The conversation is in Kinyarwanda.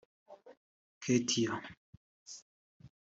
Ketia